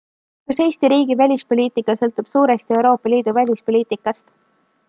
Kas Eesti riigi välispoliitika sõltub suuresti Euroopa Liidu välispoliitikast?